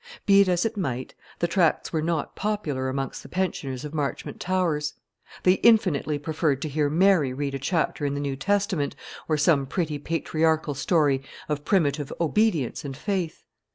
Be it as it might, the tracts were not popular amongst the pensioners of Marchmont Towers. They infinitely preferred to hear Mary read a chapter in the New Testament, or some pretty patriarchal story of primitive obedience and faith.